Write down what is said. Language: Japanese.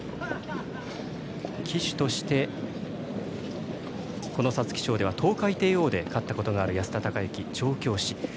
騎手として皐月賞ではトウカイテイオーで勝ったことがある安田隆行調教師。